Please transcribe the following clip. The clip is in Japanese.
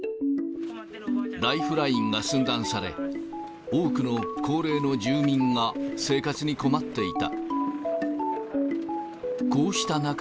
ライフラインが寸断され、多くの高齢の住民が生活に困っていた。